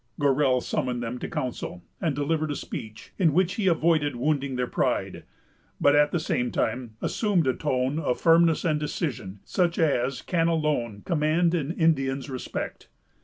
Gorell summoned them to a council, and delivered a speech, in which he avoided wounding their pride, but at the same time assumed a tone of firmness and decision, such as can alone command an Indian's respect.